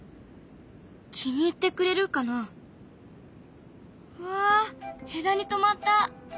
気に入ってくれるかな？わ枝にとまった。